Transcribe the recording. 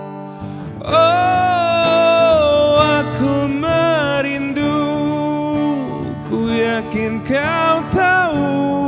oh aku merindu kuyakin kau tahu